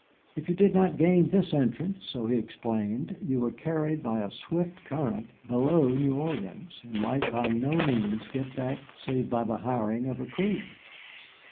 If you did not gain this entrance, so he explained, you were carried by a swift current below New Orleans and might by no means get back save by the hiring of a crew.